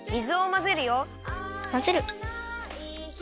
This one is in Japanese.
まぜる。